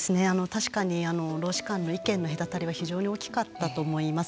確かに労使間の意見の隔たりは非常に大きかったと思います。